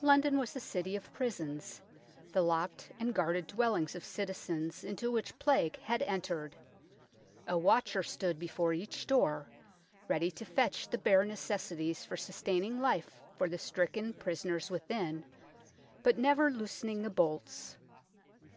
London was a city of prisons, the locked and guarded dwellings of citizens into which Plague had entered. A watcher stood before each door, ready to fetch the bare necessities for sustaining life for the stricken prisoners within, but never loosening the bolts.